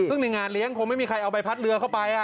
ซึ่งในงานเลี้ยงคงไม่มีใครเอาใบพัดเรือเข้าไป